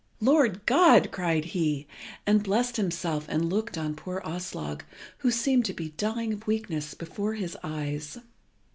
"Lord God!" cried he, and blessed himself and looked on poor Aslog, who seemed to be dying of weakness before his eyes.